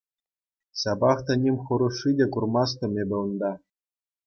Ҫапах та ним хӑрушши те курмастӑм эпӗ унта.